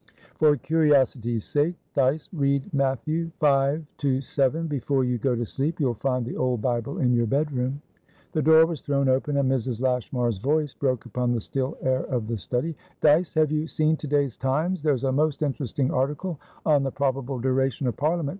For curiosity's sake, Dyce, read Matthew v. to vii. before you go to sleep. You'll find the old Bible in your bedroom." The door was thrown open, and Mrs. Lashmar's voice broke upon the still air of the study. "Dyce, have you seen to day's Times? There's a most interesting article on the probable duration of Parliament.